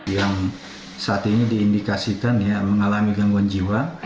yang saat ini diindikasikan ya mengalami gangguan jiwa